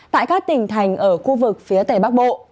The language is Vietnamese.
tại các tỉnh thành ở khu vực phía tây bắc bộ